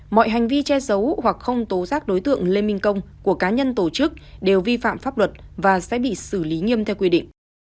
mọi hành vi che giấu hoặc không tố giác đối tượng lê minh công của cá nhân tổ chức đều vi phạm pháp luật và sẽ bị xử lý nghiêm theo quy định